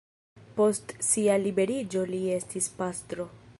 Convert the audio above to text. Post sia liberiĝo li estis pastro.